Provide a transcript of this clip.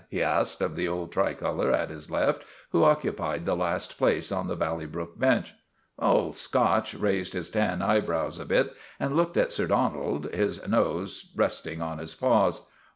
" he asked of the old tricolor at his left, who occupied the last place on the Valley Brook bench. Old Scotch raised his tan eyebrows a bit and looked at Sir Donald, his nose resting on his paws.